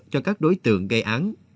cho các đối tượng gây án